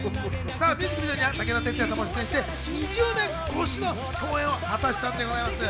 ミュージックビデオには武田鉄矢さんも出演して、２０年越しの共演を果たしたんです。